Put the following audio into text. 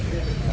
itu lebih bagus